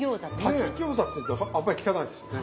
炊き餃子っていうのはあんまり聞かないですよね。